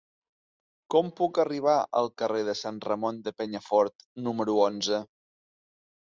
Com puc arribar al carrer de Sant Ramon de Penyafort número onze?